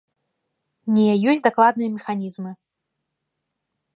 Не, ёсць дакладныя механізмы.